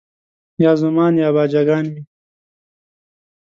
یا زومان یا باجه ګان وي